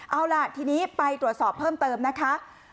เอาล่ะทีนี้ไปตรวจสอบเพิ่มเติมนะคะ